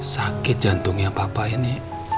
sakit jantungnya papa ini